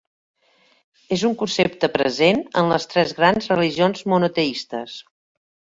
És un concepte present en les tres grans religions monoteistes.